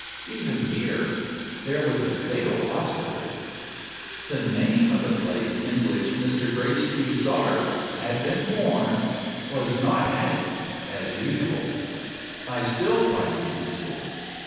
Even here, there was a fatal obstacle. The name of the place in which Mr. Gracedieu's daughter had been born was not added, as usual. I still tried to be useful.